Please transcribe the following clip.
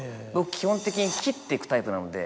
基本的に切っていくタイプなので。